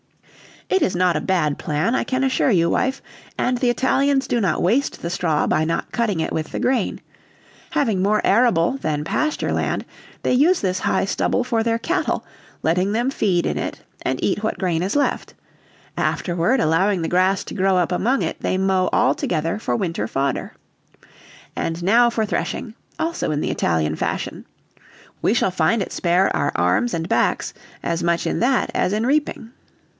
"It is not a bad plan, I can assure you, wife, and the Italians do not waste the straw by not cutting it with the grain; having more arable than pasture land, they use this high stubble for their cattle, letting them feed in it, and eat what grain is left; afterward, allowing the grass to grow up among it, they mow all together for winter fodder. And now for threshing, also in Italian fashion. We shall find it spare our arms and backs as much in that as in reaping."